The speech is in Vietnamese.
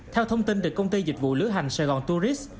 theo thông tin từ công ty dịch vụ lữ hành sài gòn tourist